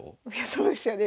そうですよね。